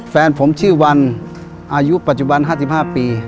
แฟนผมชื่อวันอายุปัจจุบัน๕๕ปี